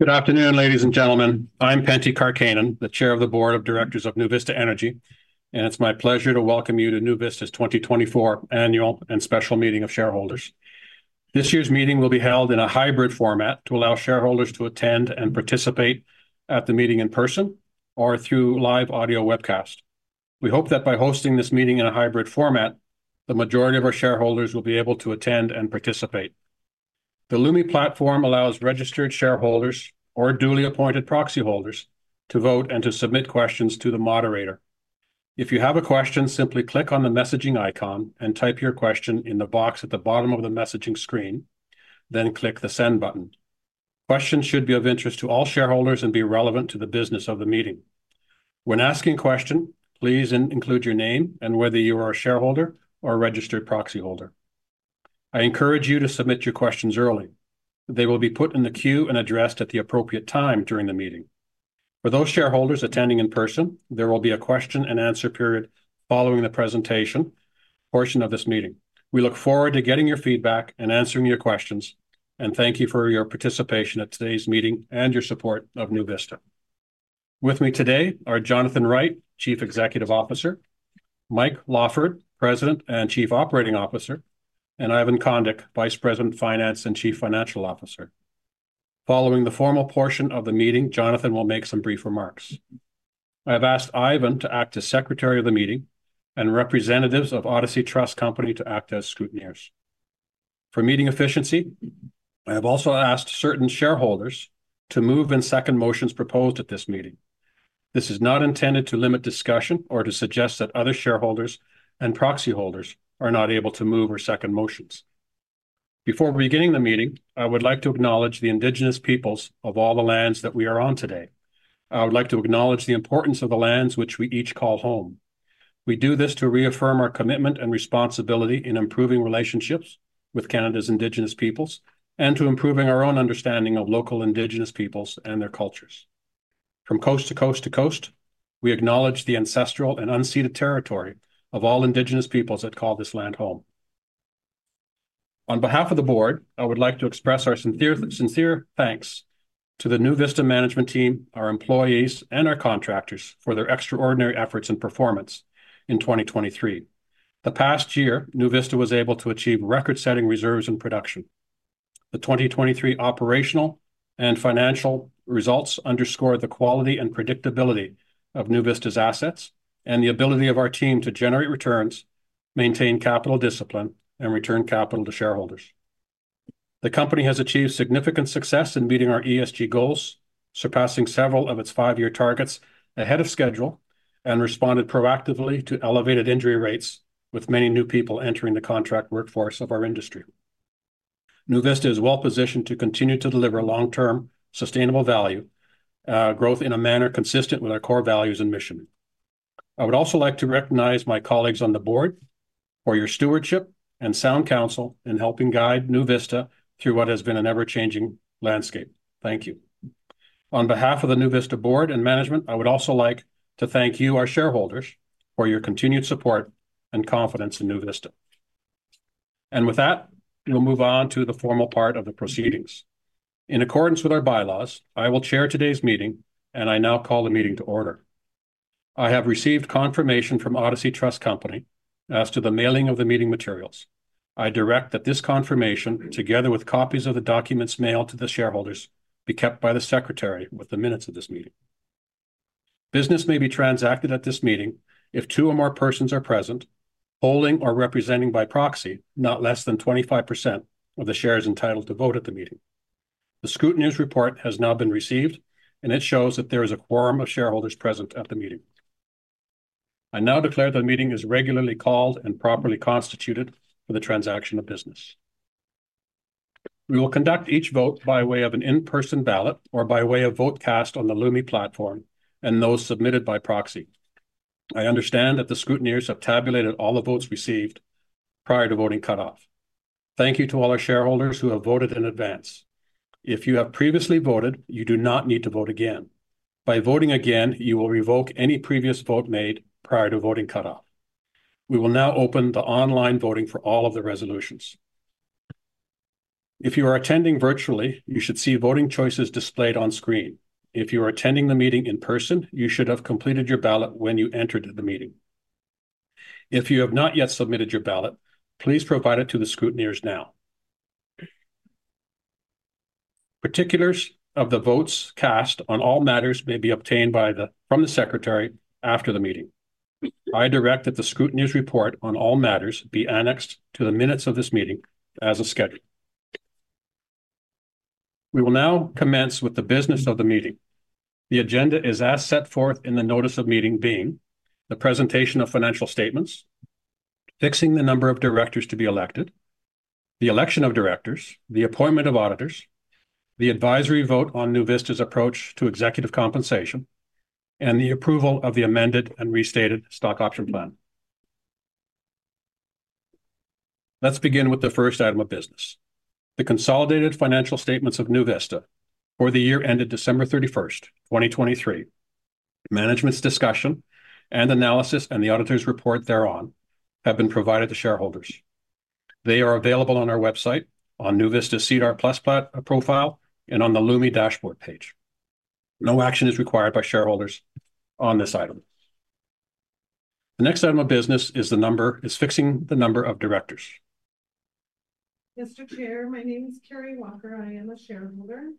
Good afternoon, ladies and gentlemen. I'm Pentti Karkkainen, the Chair of the Board of Directors of NuVista Energy, and it's my pleasure to welcome you to NuVista's 2024 Annual and Special Meeting of Shareholders. This year's meeting will be held in a hybrid format to allow shareholders to attend and participate at the meeting in person or through live audio webcast. We hope that by hosting this meeting in a hybrid format, the majority of our shareholders will be able to attend and participate. The Lumi platform allows registered shareholders or duly appointed proxy holders to vote and to submit questions to the moderator. If you have a question, simply click on the messaging icon and type your question in the box at the bottom of the messaging screen, then click the Send button. Questions should be of interest to all shareholders and be relevant to the business of the meeting. When asking a question, please include your name and whether you are a shareholder or a registered proxy holder. I encourage you to submit your questions early. They will be put in the queue and addressed at the appropriate time during the meeting. For those shareholders attending in person, there will be a question and answer period following the presentation portion of this meeting. We look forward to getting your feedback and answering your questions, and thank you for your participation at today's meeting and your support of NuVista. With me today are Jonathan Wright, Chief Executive Officer; Mike Lawford, President and Chief Operating Officer; and Ivan Condic, Vice President, Finance and Chief Financial Officer. Following the formal portion of the meeting, Jonathan will make some brief remarks. I have asked Ivan to act as Secretary of the meeting and representatives of Odyssey Trust Company to act as scrutineers. For meeting efficiency, I have also asked certain shareholders to move and second motions proposed at this meeting. This is not intended to limit discussion or to suggest that other shareholders and proxy holders are not able to move or second motions. Before beginning the meeting, I would like to acknowledge the Indigenous peoples of all the lands that we are on today. I would like to acknowledge the importance of the lands which we each call home. We do this to reaffirm our commitment and responsibility in improving relationships with Canada's Indigenous peoples, and to improving our own understanding of local Indigenous peoples and their cultures. From coast to coast to coast, we acknowledge the ancestral and unceded territory of all Indigenous peoples that call this land home. On behalf of the board, I would like to express our sincere, sincere thanks to the NuVista management team, our employees, and our contractors for their extraordinary efforts and performance in 2023. The past year, NuVista was able to achieve record-setting reserves and production. The 2023 operational and financial results underscore the quality and predictability of NuVista's assets and the ability of our team to generate returns, maintain capital discipline, and return capital to shareholders. The company has achieved significant success in meeting our ESG goals, surpassing several of its five-year targets ahead of schedule, and responded proactively to elevated injury rates, with many new people entering the contract workforce of our industry. NuVista is well positioned to continue to deliver long-term, sustainable value, growth in a manner consistent with our core values and mission. I would also like to recognize my colleagues on the board for your stewardship and sound counsel in helping guide NuVista through what has been an ever-changing landscape. Thank you. On behalf of the NuVista board and management, I would also like to thank you, our shareholders, for your continued support and confidence in NuVista. And with that, we'll move on to the formal part of the proceedings. In accordance with our bylaws, I will chair today's meeting, and I now call the meeting to order. I have received confirmation from Odyssey Trust Company as to the mailing of the meeting materials. I direct that this confirmation, together with copies of the documents mailed to the shareholders, be kept by the secretary with the minutes of this meeting. Business may be transacted at this meeting if two or more persons are present, holding or representing by proxy, not less than 25% of the shares entitled to vote at the meeting. The scrutineers' report has now been received, and it shows that there is a quorum of shareholders present at the meeting. I now declare the meeting is regularly called and properly constituted for the transaction of business. We will conduct each vote by way of an in-person ballot, or by way of vote cast on the Lumi platform, and those submitted by proxy. I understand that the scrutineers have tabulated all the votes received prior to voting cutoff. Thank you to all our shareholders who have voted in advance. If you have previously voted, you do not need to vote again. By voting again, you will revoke any previous vote made prior to voting cutoff. We will now open the online voting for all of the resolutions. If you are attending virtually, you should see voting choices displayed on screen. If you are attending the meeting in person, you should have completed your ballot when you entered the meeting. If you have not yet submitted your ballot, please provide it to the scrutineers now. Particulars of the votes cast on all matters may be obtained from the secretary after the meeting. I direct that the scrutineers' report on all matters be annexed to the minutes of this meeting as a schedule. We will now commence with the business of the meeting. The agenda is as set forth in the notice of meeting, being the presentation of financial statements, fixing the number of directors to be elected, the election of directors, the appointment of auditors, the advisory vote on NuVista's approach to executive compensation, and the approval of the amended and restated stock option plan. Let's begin with the first item of business, the consolidated financial statements of NuVista for the year ended December 31, 2023. Management's discussion and analysis, and the auditor's report thereon, have been provided to shareholders. They are available on our website, on NuVista's SEDAR+ profile, and on the Lumi dashboard page. No action is required by shareholders on this item. The next item of business is fixing the number of directors. Mr. Chair, my name is Carrie Walker, I am a shareholder.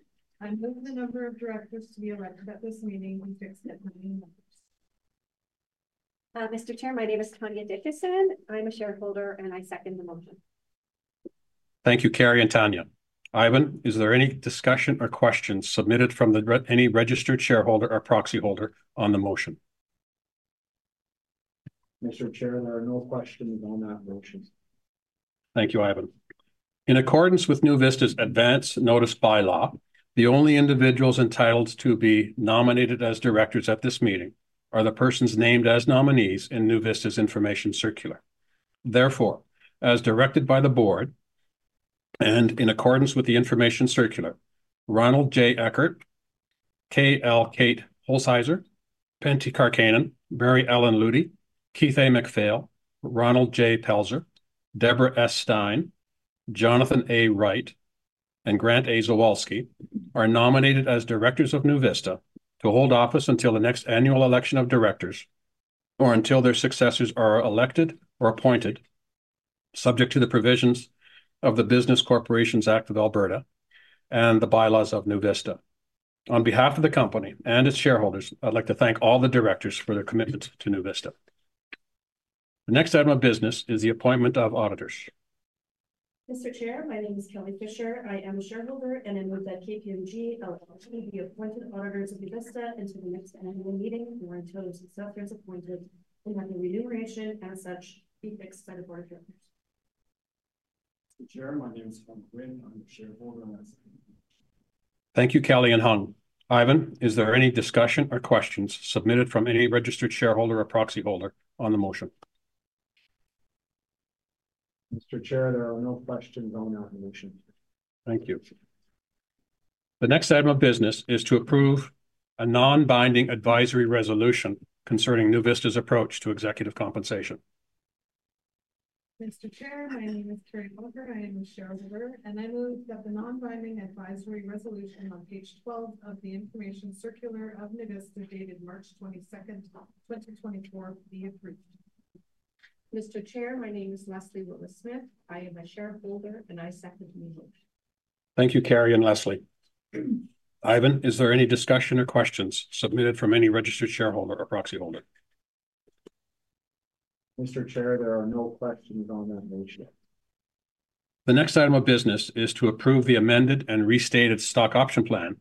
I move the number of directors to be elected at this meeting be fixed at nine members. Mr. Chair, my name is Tanya Dickinson. I'm a shareholder, and I second the motion. Thank you, Carrie and Tanya. Ivan, is there any discussion or questions submitted from any registered shareholder or proxy holder on the motion? Mr. Chair, there are no questions on that motion. Thank you, Ivan. In accordance with NuVista's advance notice bylaw, the only individuals entitled to be nominated as directors at this meeting are the persons named as nominees in NuVista's information circular. Therefore, as directed by the board, and in accordance with the information circular, Ronald J. Eckhardt, K.L. Kate Hulsizer, Pentti Karkkainen, Mary Ellen Lutey, Keith A. MacPhail, Ronald J. Pelzer, Deborah S. Stein, Jonathan Wright, and Grant A. Zawalsky are nominated as directors of NuVista to hold office until the next annual election of directors, or until their successors are elected or appointed, subject to the provisions of the Business Corporations Act of Alberta and the bylaws of NuVista. On behalf of the company and its shareholders, I'd like to thank all the directors for their commitment to NuVista. The next item of business is the appointment of auditors. Mr. Chair, my name is Kelly Fisher. I am a shareholder, and I move that KPMG LLP be appointed auditors of NuVista until the next annual meeting, or until their successors appointed, and that the remuneration as such be fixed by the board of directors. Mr. Chair, my name is Hung Nguyen. I'm a shareholder, and I second. Thank you, Kelly and Hung. Ivan, is there any discussion or questions submitted from any registered shareholder or proxy holder on the motion? Mr. Chair, there are no questions on that motion. Thank you. The next item of business is to approve a non-binding advisory resolution concerning NuVista's approach to executive compensation. Mr. Chair, my name is Carrie Walker. I am a shareholder, and I move that the non-binding advisory resolution on page 12 of the information circular of NuVista, dated March twenty-second, twenty twenty-four, be approved. Mr. Chair, my name is Leslie Willis Smith. I am a shareholder, and I second the motion. Thank you, Carrie and Leslie. Ivan, is there any discussion or questions submitted from any registered shareholder or proxy holder? Mr. Chair, there are no questions on that motion. The next item of business is to approve the amended and restated stock option plan,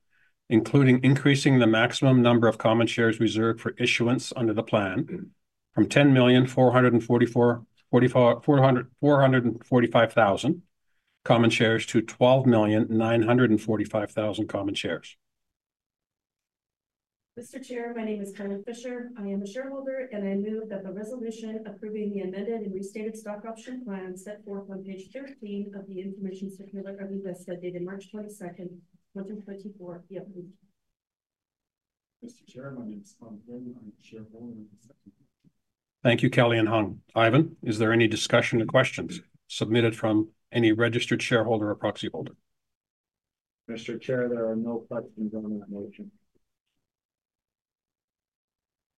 including increasing the maximum number of common shares reserved for issuance under the plan from 10,444,445 common shares to 12,945,000 common shares. Mr. Chair, my name is Kelly Fisher. I am a shareholder, and I move that the resolution approving the amended and restated stock option plan set forth on page 13 of the information circular of NuVista, dated March 22, 2024, be approved. Mr. Chair, my name is Hung Nguyen. I'm a shareholder, and I second. Thank you, Kelly and Hung. Ivan, is there any discussion or questions submitted from any registered shareholder or proxy holder? Mr. Chair, there are no questions on that motion.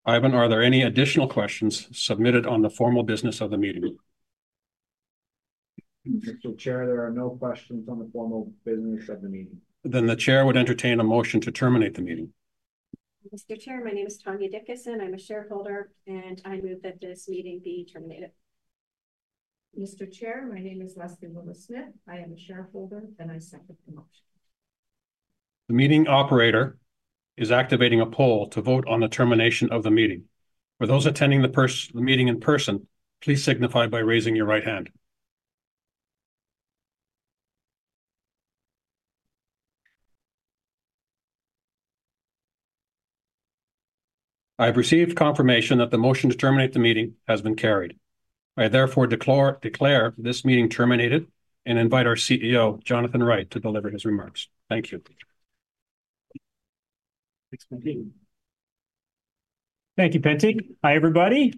Ivan, are there any additional questions submitted on the formal business of the meeting? Mr. Chair, there are no questions on the formal business of the meeting. The chair would entertain a motion to terminate the meeting. Mr. Chair, my name is Tanya Dickinson. I'm a shareholder, and I move that this meeting be terminated. Mr. Chair, my name is Leslie Willis Smith. I am a shareholder, and I second the motion. The meeting operator is activating a poll to vote on the termination of the meeting. For those attending the meeting in person, please signify by raising your right hand. I've received confirmation that the motion to terminate the meeting has been carried. I, therefore, declare this meeting terminated and invite our CEO, Jonathan Wright, to deliver his remarks. Thank you. Thanks, Pentti. Thank you, Pentti. Hi, everybody.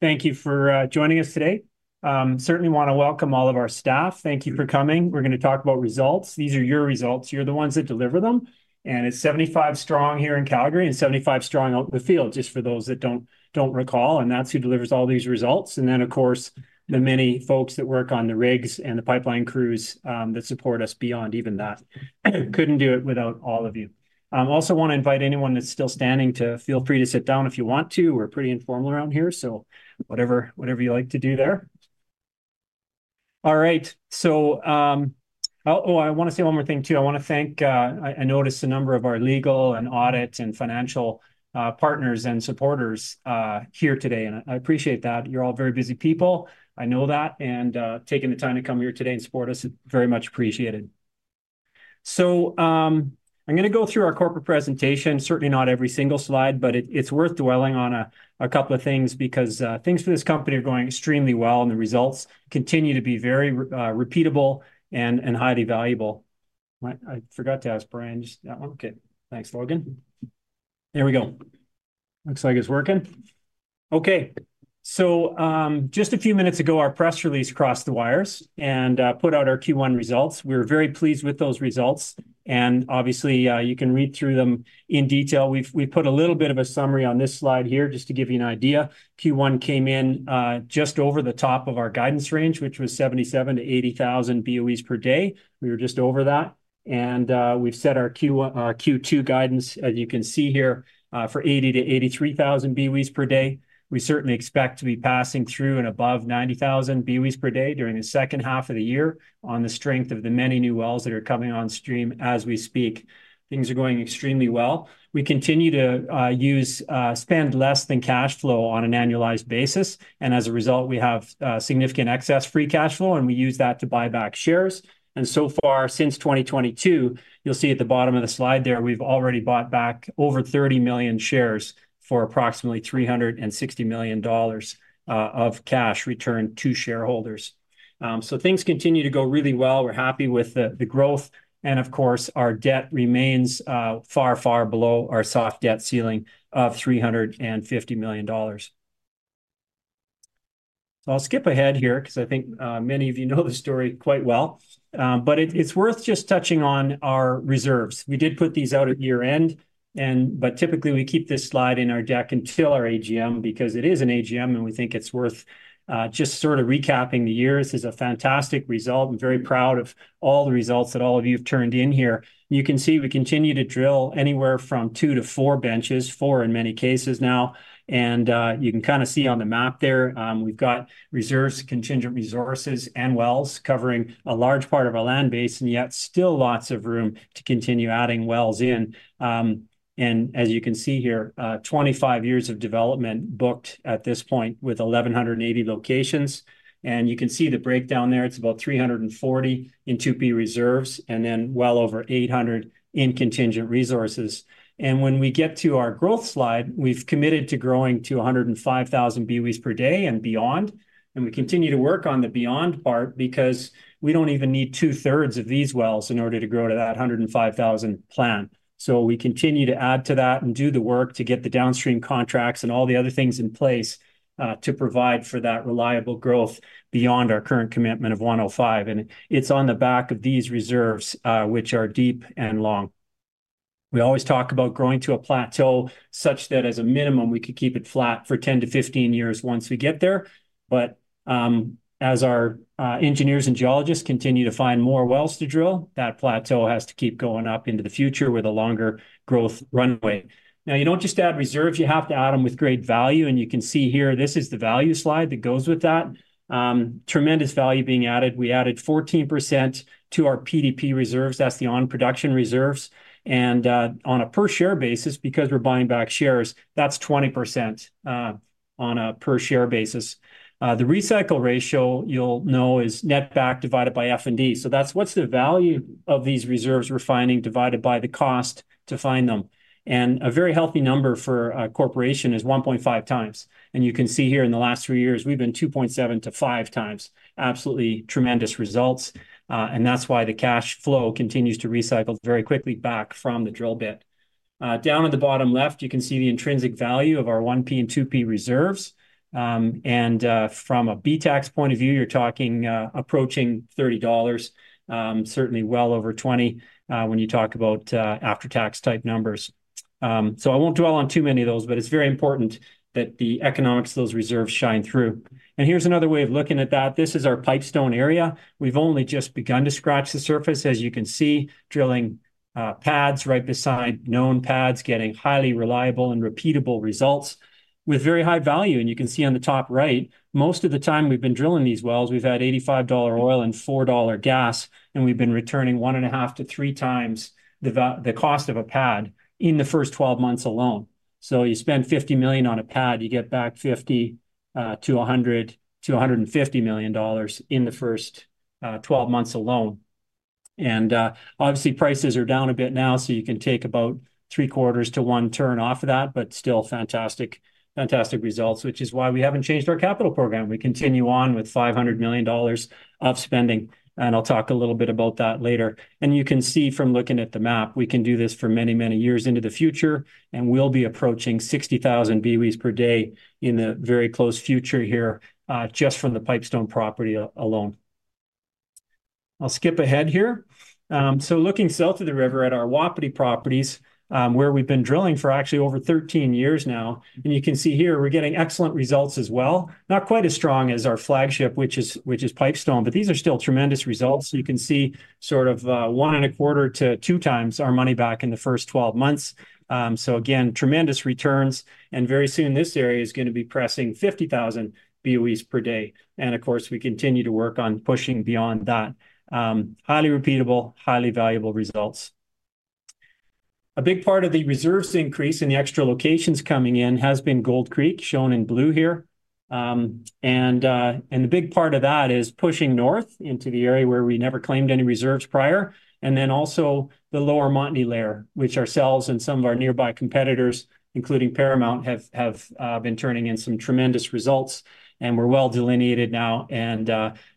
Thank you for joining us today. Certainly want to welcome all of our staff. Thank you for coming. We're gonna talk about results. These are your results. You're the ones that deliver them, and it's 75 strong here in Calgary and 75 strong out in the field, just for those that don't, don't recall, and that's who delivers all these results. And then, of course, the many folks that work on the rigs and the pipeline crews that support us beyond even that. Couldn't do it without all of you. Also want to invite anyone that's still standing to feel free to sit down if you want to. We're pretty informal around here, so whatever, whatever you like to do there. All right, so... Oh, oh, I want to say one more thing, too. I want to thank, I notice a number of our legal and audit and financial partners and supporters here today, and I appreciate that. You're all very busy people, I know that, and taking the time to come here today and support us is very much appreciated. So, I'm gonna go through our corporate presentation. Certainly not every single slide, but it's worth dwelling on a couple of things, because things for this company are going extremely well, and the results continue to be very repeatable and highly valuable. I forgot to ask Brian, just that one. Okay, thanks, Logan. Here we go.. Looks like it's working. Okay, so just a few minutes ago, our press release crossed the wires and put out our Q1 results. We're very pleased with those results, and obviously, you can read through them in detail. We've, we've put a little bit of a summary on this slide here, just to give you an idea. Q1 came in, just over the top of our guidance range, which was 77,000-80,000 BOEs per day. We were just over that, and, we've set our Q2 guidance, as you can see here, for 80,000-83,000 BOEs per day. We certainly expect to be passing through and above 90,000 BOEs per day during the second half of the year on the strength of the many new wells that are coming on stream as we speak. Things are going extremely well. We continue to spend less than cash flow on an annualized basis, and as a result, we have significant excess free cash flow, and we use that to buy back shares. So far, since 2022, you'll see at the bottom of the slide there, we've already bought back over 30 million shares for approximately 360 million dollars of cash returned to shareholders. So things continue to go really well. We're happy with the, the growth, and of course, our debt remains far, far below our soft debt ceiling of 350 million dollars. I'll skip ahead here 'cause I think many of you know the story quite well. But it's worth just touching on our reserves. We did put these out at year-end, and but typically, we keep this slide in our deck until our AGM, because it is an AGM, and we think it's worth just sort of recapping the year. This is a fantastic result. I'm very proud of all the results that all of you have turned in here. You can see we continue to drill anywhere from 2-4 benches, 4 in many cases now, and you can kind of see on the map there, we've got reserves, contingent resources, and wells covering a large part of our land base, and yet still lots of room to continue adding wells in. And as you can see here, 25 years of development booked at this point, with 1,180 locations, and you can see the breakdown there. It's about 340 in 2P reserves, and then well over 800 in contingent resources. When we get to our growth slide, we've committed to growing to 105,000 BOEs per day and beyond, and we continue to work on the beyond part because we don't even need two-thirds of these wells in order to grow to that 105,000 plan. So we continue to add to that and do the work to get the downstream contracts and all the other things in place to provide for that reliable growth beyond our current commitment of 105. And it's on the back of these reserves, which are deep and long. We always talk about growing to a plateau such that as a minimum, we could keep it flat for 10-15 years once we get there. But as our engineers and geologists continue to find more wells to drill, that plateau has to keep going up into the future with a longer growth runway. Now, you don't just add reserves, you have to add them with great value, and you can see here, this is the value slide that goes with that. Tremendous value being added. We added 14% to our PDP reserves. That's the on-production reserves, and on a per share basis, because we're buying back shares, that's 20% on a per share basis. The recycle ratio, you'll know, is netback divided by F&D. So that's what's the value of these reserves we're finding divided by the cost to find them. A very healthy number for a corporation is 1.5 times. You can see here in the last three years, we've been 2.7-5 times. Absolutely tremendous results, and that's why the cash flow continues to recycle very quickly back from the drill bit. Down at the bottom left, you can see the intrinsic value of our 1P and 2P reserves. From a BTAX point of view, you're talking, approaching 30 dollars, certainly well over 20, when you talk about, after-tax type numbers. So I won't dwell on too many of those, but it's very important that the economics of those reserves shine through. Here's another way of looking at that. This is our Pipestone area. We've only just begun to scratch the surface, as you can see, drilling pads right beside known pads, getting highly reliable and repeatable results with very high value. You can see on the top right, most of the time we've been drilling these wells, we've had $85 oil and $4 gas, and we've been returning 1.5-3 times the cost of a pad in the first 12 months alone. So you spend $50 million on a pad, you get back $50 to $100 to $150 million in the first 12 months alone. Obviously, prices are down a bit now, so you can take about three-quarters to one turn off of that, but still fantastic, fantastic results, which is why we haven't changed our capital program. We continue on with $500 million of spending, and I'll talk a little bit about that later. You can see from looking at the map, we can do this for many, many years into the future, and we'll be approaching 60,000 BOEs per day in the very close future here, just from the Pipestone property alone. I'll skip ahead here. So looking south of the river at our Wapiti properties, where we've been drilling for actually over 13 years now, and you can see here, we're getting excellent results as well. Not quite as strong as our flagship, which is Pipestone, but these are still tremendous results. You can see sort of 1.25-2 times our money back in the first 12 months. So again, tremendous returns, and very soon, this area is gonna be pressing 50,000 BOEs per day. Of course, we continue to work on pushing beyond that. Highly repeatable, highly valuable results. A big part of the reserves increase in the extra locations coming in has been Gold Creek, shown in blue here. And the big part of that is pushing north into the area where we never claimed any reserves prior, and then also the Lower Montney layer, which ourselves and some of our nearby competitors, including Paramount, have been turning in some tremendous results, and we're well delineated now. And,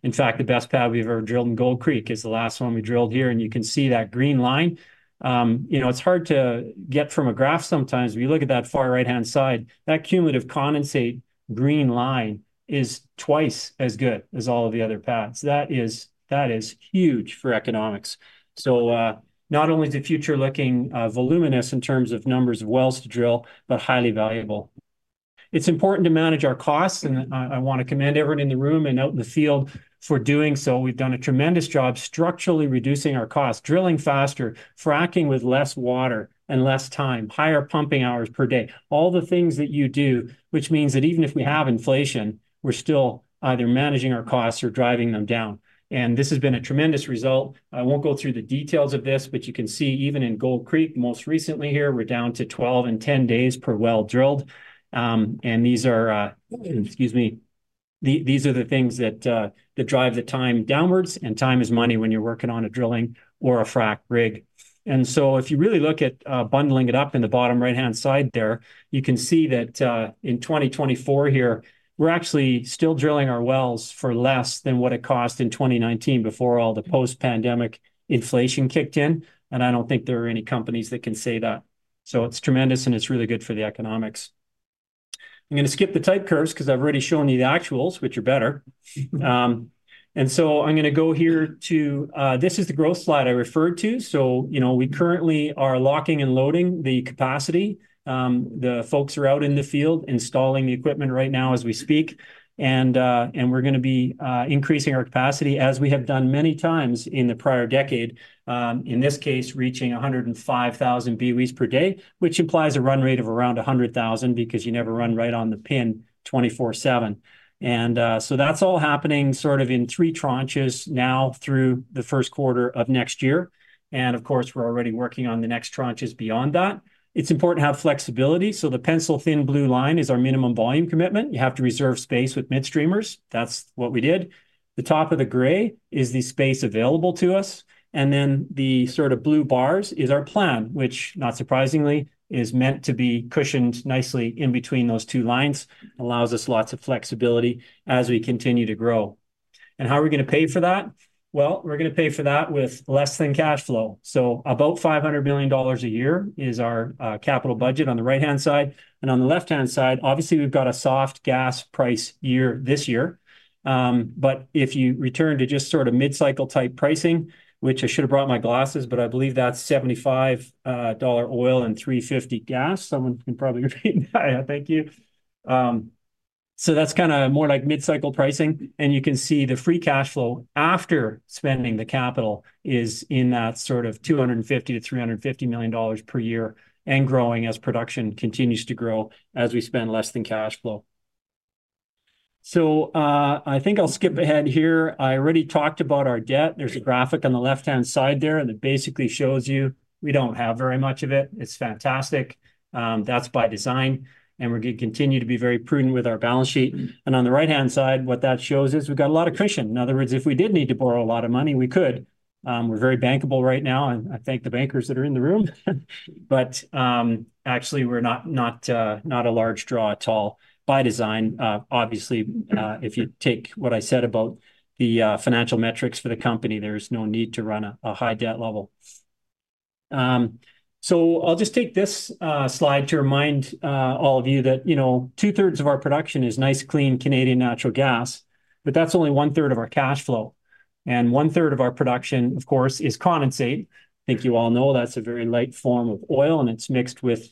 in fact, the best pad we've ever drilled in Gold Creek is the last one we drilled here, and you can see that green line. You know, it's hard to get from a graph sometimes, but you look at that far right-hand side, that cumulative condensate green line is twice as good as all of the other pads. That is, that is huge for economics. Not only is the future looking voluminous in terms of numbers of wells to drill, but highly valuable. It's important to manage our costs, and I, I want to commend everyone in the room and out in the field for doing so. We've done a tremendous job structurally reducing our costs, drilling faster, fracking with less water and less time, higher pumping hours per day. All the things that you do, which means that even if we have inflation, we're still either managing our costs or driving them down. And this has been a tremendous result. I won't go through the details of this, but you can see even in Gold Creek, most recently here, we're down to 12 and 10 days per well drilled. These are the things that drive the time downwards, and time is money when you're working on a drilling or a frac rig. So if you really look at bundling it up in the bottom right-hand side there, you can see that in 2024 here, we're actually still drilling our wells for less than what it cost in 2019 before all the post-pandemic inflation kicked in, and I don't think there are any companies that can say that. So it's tremendous, and it's really good for the economics. I'm going to skip the type curves 'cause I've already shown you the actuals, which are better. So I'm going to go here to. This is the growth slide I referred to. So, you know, we currently are locking and loading the capacity. The folks are out in the field installing the equipment right now as we speak, and we're going to be increasing our capacity, as we have done many times in the prior decade. In this case, reaching 105,000 BOEs per day, which implies a run rate of around 100,000, because you never run right on the pin 24/7. So that's all happening sort of in three tranches now through the first quarter of next year, and of course, we're already working on the next tranches beyond that. It's important to have flexibility, so the pencil-thin blue line is our minimum volume commitment. You have to reserve space with midstreamers. That's what we did. The top of the gray is the space available to us, and then the sort of blue bars is our plan, which, not surprisingly, is meant to be cushioned nicely in between those two lines. Allows us lots of flexibility as we continue to grow. And how are we going to pay for that? Well, we're going to pay for that with less than cash flow. So about 500 million dollars a year is our capital budget on the right-hand side, and on the left-hand side, obviously, we've got a soft gas price year this year. But if you return to just sort of mid-cycle type pricing, which I should have brought my glasses, but I believe that's 75 dollar oil and 3.50 gas. Someone can probably read that. Thank you. So that's kind of more like mid-cycle pricing, and you can see the free cash flow after spending the capital is in that sort of 250-350 million dollars per year and growing as production continues to grow, as we spend less than cash flow. So, I think I'll skip ahead here. I already talked about our debt. There's a graphic on the left-hand side there, and it basically shows you we don't have very much of it. It's fantastic. That's by design, and we're going to continue to be very prudent with our balance sheet. And on the right-hand side, what that shows is we've got a lot of cushion. In other words, if we did need to borrow a lot of money, we could. We're very bankable right now, and I thank the bankers that are in the room. But, actually, we're not a large draw at all by design. Obviously, if you take what I said about the financial metrics for the company, there's no need to run a high debt level. So I'll just take this slide to remind all of you that, you know, two-thirds of our production is nice, clean, Canadian natural gas, but that's only one-third of our cash flow, and one-third of our production, of course, is condensate. I think you all know that's a very light form of oil, and it's mixed with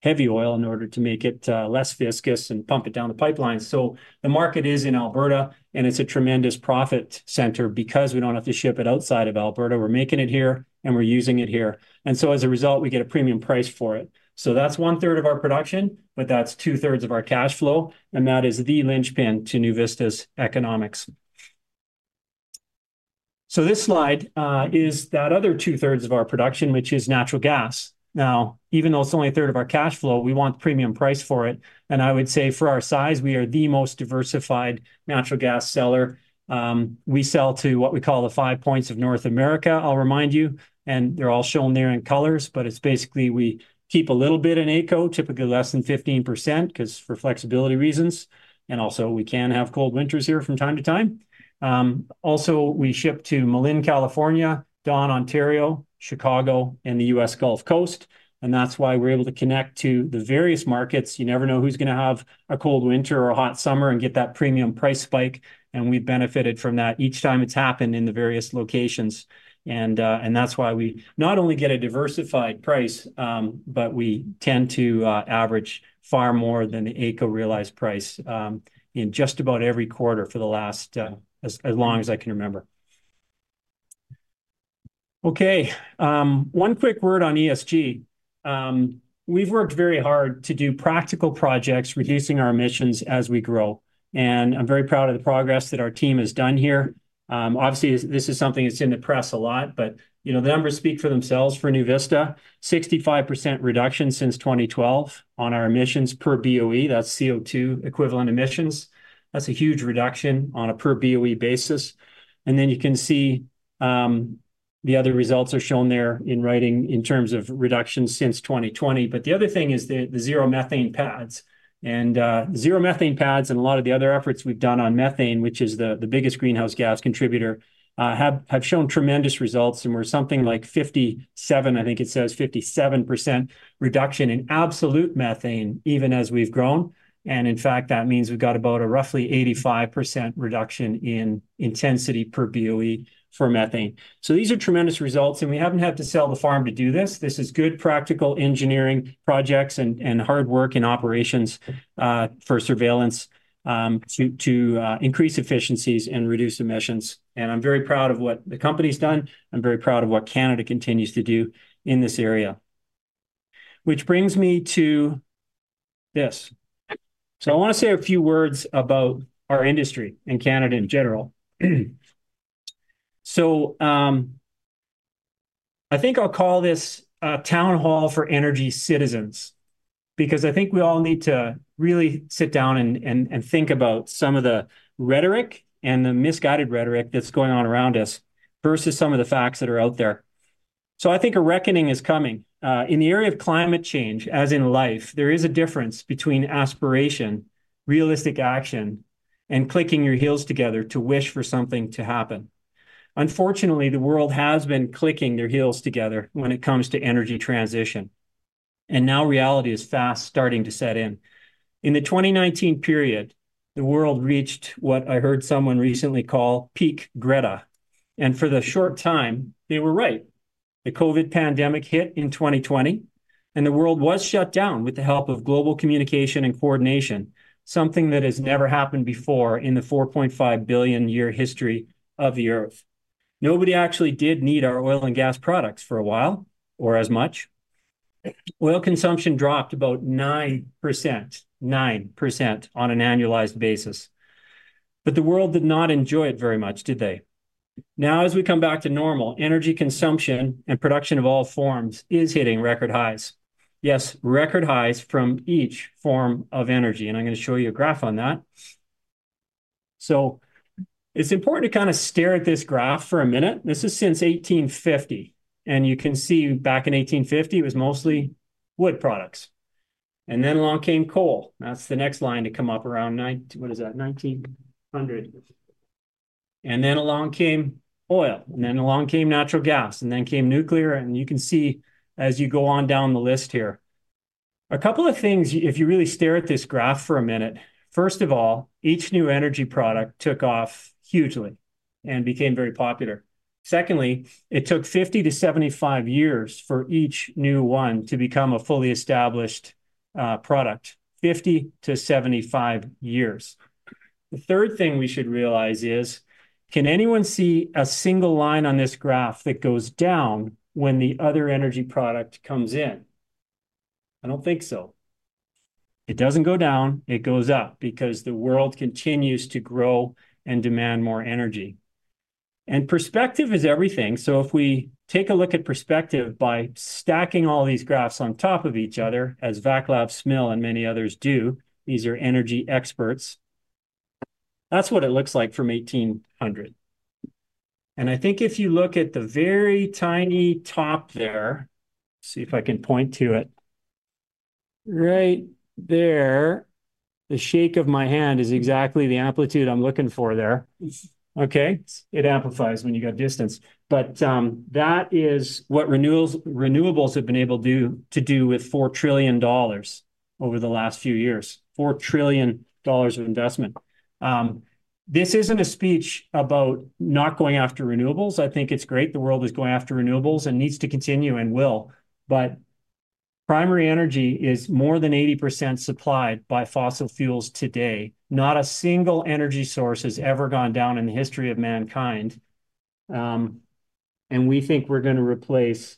heavy oil in order to make it less viscous and pump it down the pipeline. So the market is in Alberta, and it's a tremendous profit center because we don't have to ship it outside of Alberta. We're making it here, and we're using it here. And so, as a result, we get a premium price for it. So that's 1/3 of our production, but that's 2/3 of our cash flow, and that is the linchpin to NuVista's economics. So this slide is that other 2/3 of our production, which is natural gas. Now, even though it's only a third of our cash flow, we want premium price for it, and I would say for our size, we are the most diversified natural gas seller. We sell to what we call the Five Points of North America. I'll remind you, and they're all shown there in colors, but it's basically we keep a little bit in AECO, typically less than 15%, 'cause for flexibility reasons, and also we can have cold winters here from time to time. Also, we ship to Malin, California, Dawn, Ontario, Chicago, and the U.S. Gulf Coast, and that's why we're able to connect to the various markets. You never know who's going to have a cold winter or a hot summer and get that premium price spike, and we've benefited from that each time it's happened in the various locations. And that's why we not only get a diversified price, but we tend to average far more than the AECO realized price, in just about every quarter for the last, as long as I can remember. Okay, one quick word on ESG. We've worked very hard to do practical projects, reducing our emissions as we grow, and I'm very proud of the progress that our team has done here. Obviously, this is something that's in the press a lot, but, you know, the numbers speak for themselves for NuVista. 65% reduction since 2012 on our emissions per BOE, that's CO2 equivalent emissions. That's a huge reduction on a per BOE basis, and then you can see, the other results are shown there in writing in terms of reductions since 2020. But the other thing is the zero methane pads, and a lot of the other efforts we've done on methane, which is the biggest greenhouse gas contributor, have shown tremendous results, and we're something like 57, I think it says 57% reduction in absolute methane, even as we've grown, and in fact, that means we've got about a roughly 85% reduction in intensity per BOE for methane. So these are tremendous results, and we haven't had to sell the farm to do this. This is good, practical engineering projects and hard work in operations, for surveillance, to increase efficiencies and reduce emissions, and I'm very proud of what the company's done. I'm very proud of what Canada continues to do in this area. Which brings me to this. So I want to say a few words about our industry and Canada in general. So, I think I'll call this a town hall for energy citizens, because I think we all need to really sit down and think about some of the rhetoric and the misguided rhetoric that's going on around us versus some of the facts that are out there. So I think a reckoning is coming. In the area of climate change, as in life, there is a difference between aspiration, realistic action, and clicking your heels together to wish for something to happen. Unfortunately, the world has been clicking their heels together when it comes to energy transition, and now reality is fast starting to set in. In the 2019 period, the world reached what I heard someone recently call Peak Greta, and for the short time, they were right. The COVID pandemic hit in 2020, and the world was shut down with the help of global communication and coordination, something that has never happened before in the 4.5 billion-year history of the Earth. Nobody actually did need our oil and gas products for a while, or as much. Oil consumption dropped about 9%, 9% on an annualized basis, but the world did not enjoy it very much, did they? Now, as we come back to normal, energy consumption and production of all forms is hitting record highs. Yes, record highs from each form of energy, and I'm gonna show you a graph on that. So it's important to kind of stare at this graph for a minute. This is since 1850, and you can see back in 1850, it was mostly wood products, and then along came coal. That's the next line to come up around 1900. And then along came oil, and then along came natural gas, and then came nuclear, and you can see, as you go on down the list here. A couple of things, if you really stare at this graph for a minute, first of all, each new energy product took off hugely and became very popular. Secondly, it took 50-75 years for each new one to become a fully established product. 50-75 years. The third thing we should realize is, can anyone see a single line on this graph that goes down when the other energy product comes in? I don't think so. It doesn't go down, it goes up because the world continues to grow and demand more energy. Perspective is everything, so if we take a look at perspective by stacking all these graphs on top of each other, as Vaclav Smil and many others do, these are energy experts, that's what it looks like from 1800. And I think if you look at the very tiny top there... See if I can point to it. Right there. The shake of my hand is exactly the amplitude I'm looking for there. Okay? It amplifies when you've got distance. But, that is what renewables have been able do, to do with $4 trillion over the last few years. $4 trillion of investment. This isn't a speech about not going after renewables. I think it's great. The world is going after renewables and needs to continue and will, but primary energy is more than 80% supplied by fossil fuels today. Not a single energy source has ever gone down in the history of mankind. And we think we're gonna replace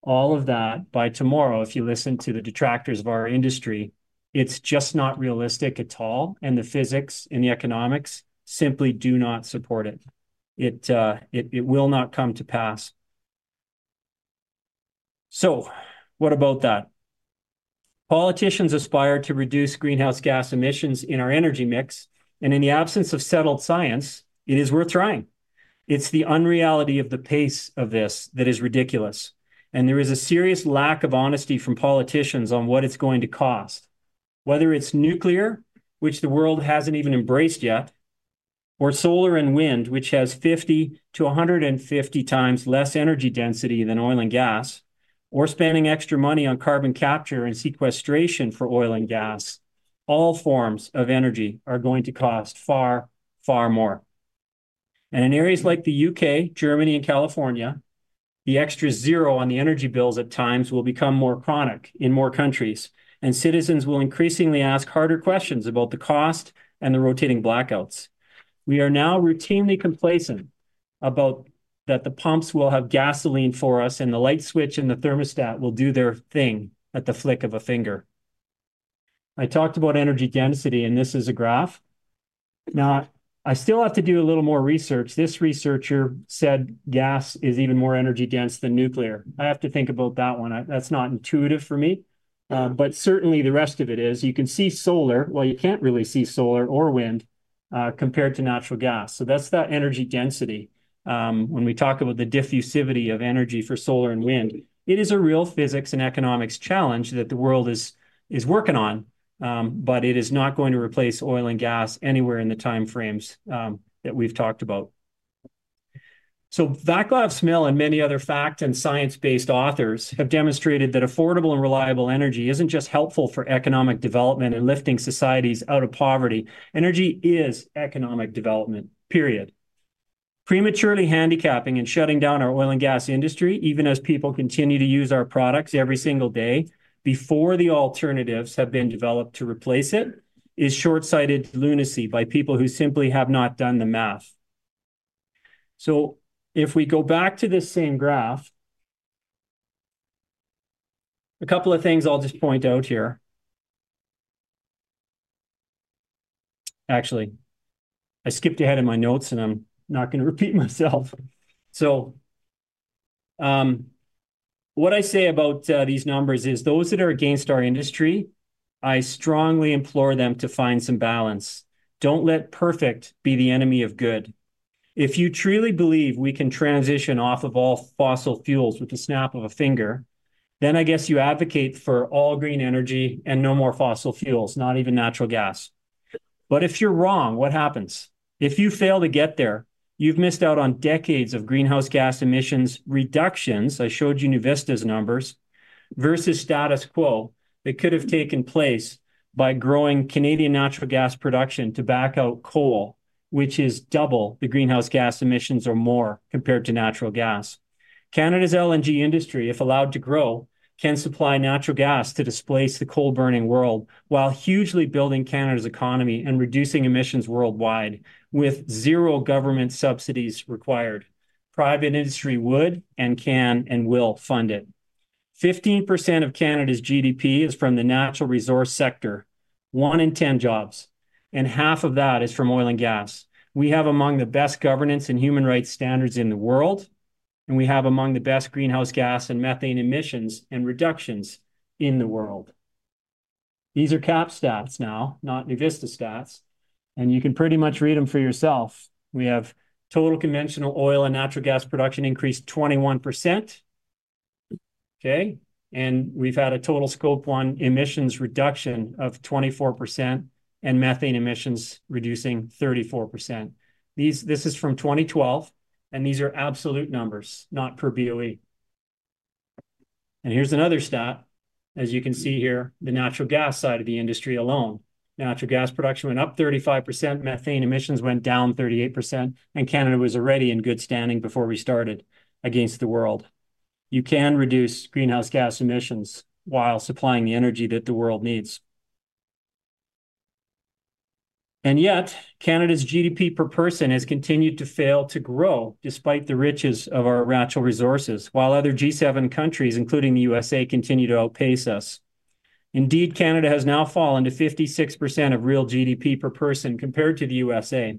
all of that by tomorrow, if you listen to the detractors of our industry. It's just not realistic at all, and the physics and the economics simply do not support it. It will not come to pass. So what about that? Politicians aspire to reduce greenhouse gas emissions in our energy mix, and in the absence of settled science, it is worth trying. It's the unreality of the pace of this that is ridiculous, and there is a serious lack of honesty from politicians on what it's going to cost. Whether it's nuclear, which the world hasn't even embraced yet, or solar and wind, which has 50-150 times less energy density than oil and gas, or spending extra money on carbon capture and sequestration for oil and gas, all forms of energy are going to cost far, far more. In areas like the UK, Germany, and California, the extra zero on the energy bills at times will become more chronic in more countries, and citizens will increasingly ask harder questions about the cost and the rotating blackouts. We are now routinely complacent about that the pumps will have gasoline for us, and the light switch and the thermostat will do their thing at the flick of a finger. I talked about energy density, and this is a graph. Now, I still have to do a little more research. This researcher said gas is even more energy-dense than nuclear. I have to think about that one. I, that's not intuitive for me, but certainly the rest of it is. You can see solar... Well, you can't really see solar or wind, compared to natural gas, so that's that energy density. When we talk about the diffusivity of energy for solar and wind, it is a real physics and economics challenge that the world is working on. But it is not going to replace oil and gas anywhere in the timeframes that we've talked about. So Vaclav Smil and many other fact and science-based authors have demonstrated that affordable and reliable energy isn't just helpful for economic development and lifting societies out of poverty, energy is economic development, period. Prematurely handicapping and shutting down our oil and gas industry, even as people continue to use our products every single day, before the alternatives have been developed to replace it, is short-sighted lunacy by people who simply have not done the math. So if we go back to this same graph, a couple of things I'll just point out here. Actually, I skipped ahead in my notes, and I'm not gonna repeat myself. So, what I say about, these numbers is, those that are against our industry, I strongly implore them to find some balance. Don't let perfect be the enemy of good. If you truly believe we can transition off of all fossil fuels with the snap of a finger, then I guess you advocate for all green energy and no more fossil fuels, not even natural gas. But if you're wrong, what happens? If you fail to get there, you've missed out on decades of greenhouse gas emissions reductions. I showed you NuVista's numbers versus status quo that could have taken place by growing Canadian natural gas production to back out coal, which is double the greenhouse gas emissions or more, compared to natural gas. Canada's LNG industry, if allowed to grow, can supply natural gas to displace the coal-burning world, while hugely building Canada's economy and reducing emissions worldwide with zero government subsidies required. Private industry would, and can, and will fund it. 15% of Canada's GDP is from the natural resource sector, one in ten jobs, and half of that is from oil and gas. We have among the best governance and human rights standards in the world, and we have among the best greenhouse gas and methane emissions and reductions in the world. These are CAPP stats now, not NuVista stats, and you can pretty much read them for yourself. We have total conventional oil and natural gas production increased 21%, okay? We've had a total Scope 1 emissions reduction of 24% and methane emissions reducing 34%. This is from 2012, and these are absolute numbers, not per BOE. Here's another stat. As you can see here, the natural gas side of the industry alone, natural gas production went up 35%, methane emissions went down 38%, and Canada was already in good standing before we started against the world. You can reduce greenhouse gas emissions while supplying the energy that the world needs. Yet, Canada's GDP per person has continued to fail to grow, despite the riches of our natural resources, while other G7 countries, including the USA, continue to outpace us. Indeed, Canada has now fallen to 56% of real GDP per person compared to the USA.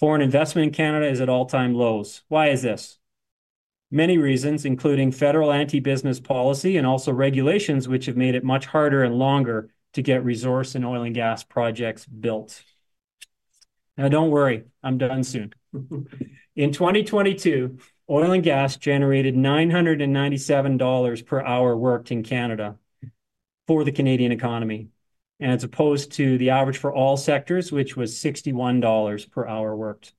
Foreign investment in Canada is at all-time lows. Why is this? Many reasons, including federal anti-business policy and also regulations, which have made it much harder and longer to get resource and oil and gas projects built. Now, don't worry, I'm done soon. In 2022, oil and gas generated 997 dollars per hour worked in Canada for the Canadian economy, and as opposed to the average for all sectors, which was 61 dollars per hour worked.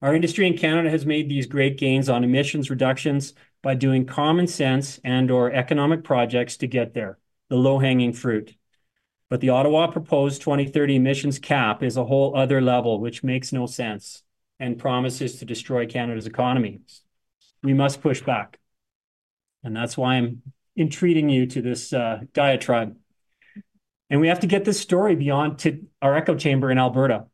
Our industry in Canada has made these great gains on emissions reductions by doing common sense and/or economic projects to get there, the low-hanging fruit. But the Ottawa proposed 2030 emissions cap is a whole other level, which makes no sense and promises to destroy Canada's economy. We must push back, and that's why I'm entreating you to this, diatribe. And we have to get this story beyond to our echo chamber in Alberta.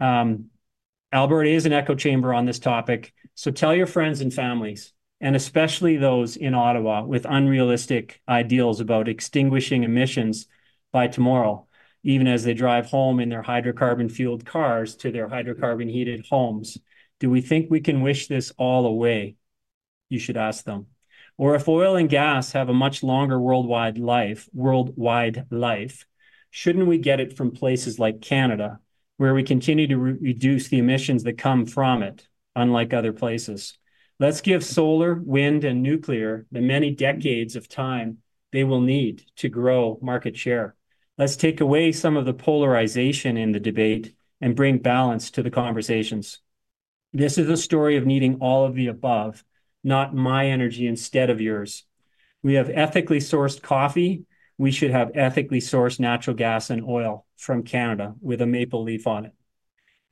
Alberta is an echo chamber on this topic, so tell your friends and families, and especially those in Ottawa with unrealistic ideals about extinguishing emissions by tomorrow, even as they drive home in their hydrocarbon-fueled cars to their hydrocarbon-heated homes. "Do we think we can wish this all away?" you should ask them. Or, "If oil and gas have a much longer worldwide life, worldwide life, shouldn't we get it from places like Canada, where we continue to re-reduce the emissions that come from it, unlike other places?" Let's give solar, wind, and nuclear the many decades of time they will need to grow market share. Let's take away some of the polarization in the debate and bring balance to the conversations. This is a story of needing all of the above, not my energy instead of yours. We have ethically sourced coffee; we should have ethically sourced natural gas and oil from Canada with a maple leaf on it.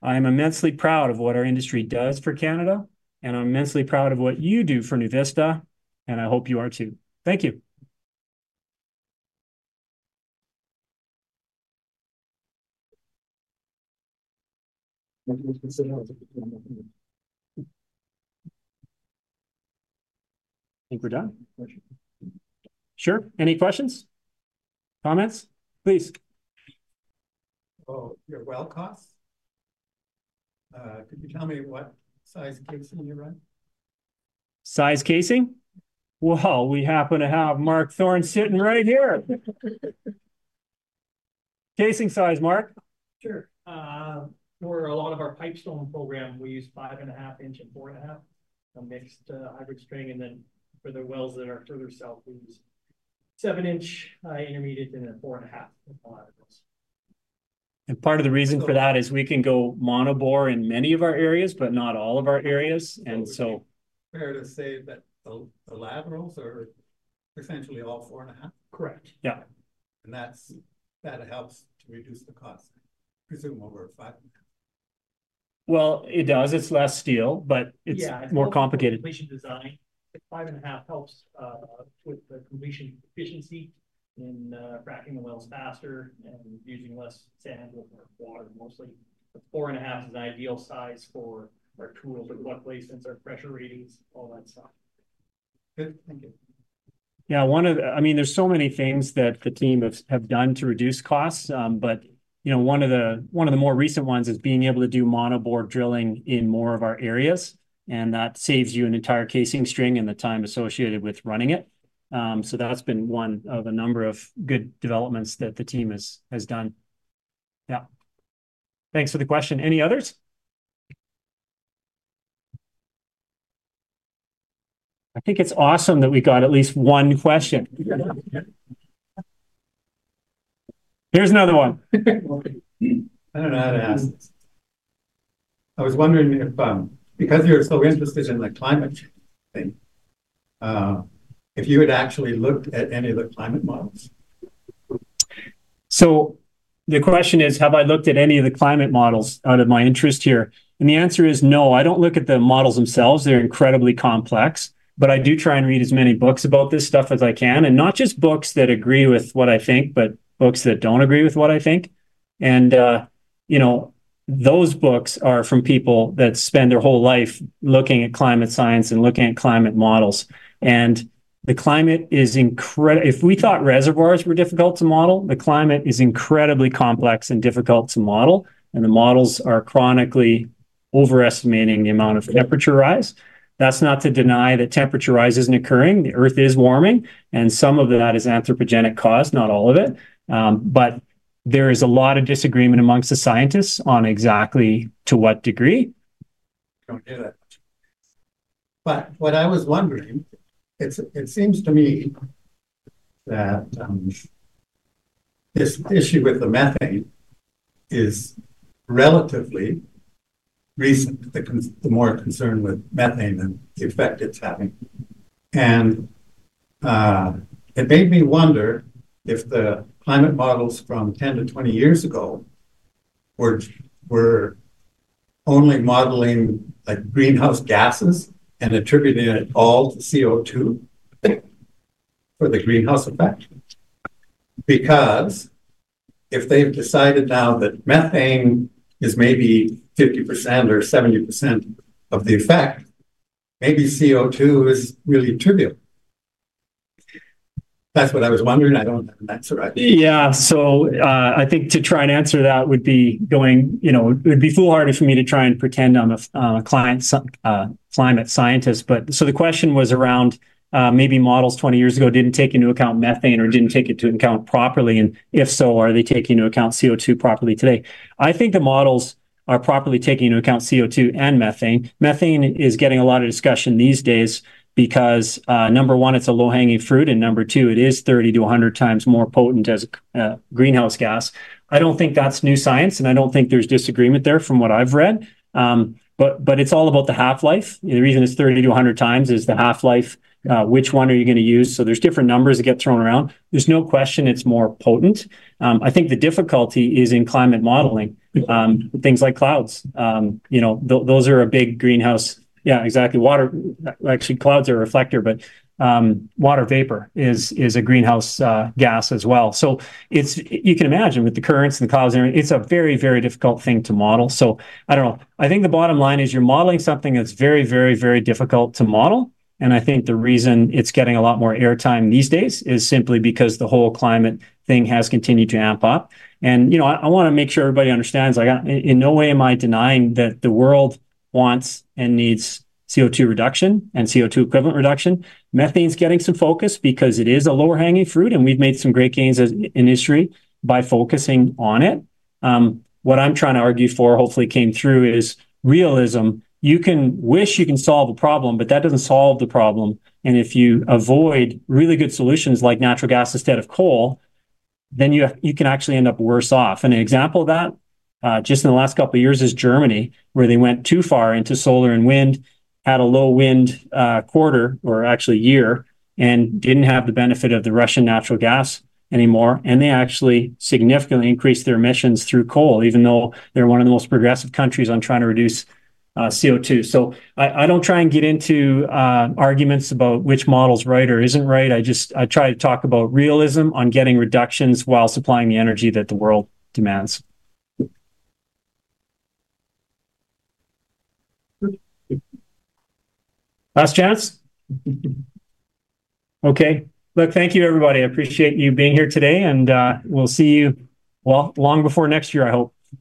I am immensely proud of what our industry does for Canada, and I'm immensely proud of what you do for NuVista, and I hope you are, too. Thank you! I think we're done? Sure. Any questions? Comments, please. Oh, your well costs. Could you tell me what size casing you run? Size casing? Well, we happen to have Mark Thorne sitting right here. Casing size, Mark? Sure. For a lot of our Pipestone program, we use 5.5-inch and 4.5-inch, a mixed, hybrid string. And then for the wells that are further south, we use 7-inch, intermediate and a 4.5 laterals. Part of the reason for that is we can go monobore in many of our areas, but not all of our areas, and so. Fair to say that the laterals are essentially all 4.5? Correct. Yeah. That helps to reduce the cost, I presume, over 5.5. Well, it does. It's less steel, but it's. Yeah More complicated. Completion design. The 5.5 helps with the completion efficiency in fracking the wells faster and using less sand with more water, mostly. The 4.5 is an ideal size for our tools, but luckily, since our pressure readings, all that stuff. Good. Thank you. Yeah, one of the, I mean, there's so many things that the team have done to reduce costs. But, you know, one of the more recent ones is being able to do monobore drilling in more of our areas, and that saves you an entire casing string and the time associated with running it. So that's been one of a number of good developments that the team has done. Yeah. Thanks for the question. Any others? I think it's awesome that we got at least one question. Here's another one. Okay, I don't know how to ask this. I was wondering if, because you're so interested in, like, climate change thing, if you had actually looked at any of the climate models? So the question is, have I looked at any of the climate models out of my interest here? And the answer is no. I don't look at the models themselves. They're incredibly complex, but I do try and read as many books about this stuff as I can, and not just books that agree with what I think, but books that don't agree with what I think. And, you know, those books are from people that spend their whole life looking at climate science and looking at climate models, and the climate is incredibly complex and difficult to model, and the models are chronically overestimating the amount of temperature rise. That's not to deny that temperature rise isn't occurring. The Earth is warming, and some of that is anthropogenic cause, not all of it. But there is a lot of disagreement among the scientists on exactly to what degree. Don't do that. But what I was wondering, it seems to me that this issue with the methane is relatively recent, the more concern with methane and the effect it's having. And it made me wonder if the climate models from 10-20 years ago were only modeling, like, greenhouse gases and attributing it all to CO2 for the greenhouse effect. Because if they've decided now that methane is maybe 50% or 70% of the effect, maybe CO2 is really trivial. That's what I was wondering. I don't know if that's right. Yeah. So, I think to try and answer that would be going... You know, it would be foolhardy for me to try and pretend I'm a climate scientist. But so the question was around, maybe models 20 years ago didn't take into account methane or didn't take into account properly, and if so, are they taking into account CO2 properly today? I think the models are properly taking into account CO2 and methane. Methane is getting a lot of discussion these days because, number one, it's a low-hanging fruit, and number two, it is 30-100 times more potent as a greenhouse gas. I don't think that's new science, and I don't think there's disagreement there from what I've read. But it's all about the half-life. The reason it's 30-100 times is the half-life. Which one are you gonna use? So there's different numbers that get thrown around. There's no question it's more potent. I think the difficulty is in climate modeling, things like clouds. You know, those are a big greenhouse. Yeah, exactly. Water. Actually, clouds are a reflector, but water vapor is, is a greenhouse gas as well. So it's, you can imagine with the currents and the clouds, it's a very, very difficult thing to model. So I don't know. I think the bottom line is you're modeling something that's very, very, very difficult to model, and I think the reason it's getting a lot more airtime these days is simply because the whole climate thing has continued to amp up. You know, I wanna make sure everybody understands, like, I, in no way am I denying that the world wants and needs CO2 reduction and CO2 equivalent reduction. Methane's getting some focus because it is a lower-hanging fruit, and we've made some great gains as an industry by focusing on it. What I'm trying to argue for, hopefully came through, is realism. You can wish you can solve a problem, but that doesn't solve the problem, and if you avoid really good solutions, like natural gas instead of coal, then you can actually end up worse off. And an example of that, just in the last couple of years, is Germany, where they went too far into solar and wind, had a low wind, quarter, or actually year, and didn't have the benefit of the Russian natural gas anymore, and they actually significantly increased their emissions through coal, even though they're one of the most progressive countries on trying to reduce, CO2. So I, I don't try and get into, arguments about which model's right or isn't right. I just, I try to talk about realism on getting reductions while supplying the energy that the world demands. Last chance? Okay, look, thank you, everybody. I appreciate you being here today, and, we'll see you well, long before next year, I hope.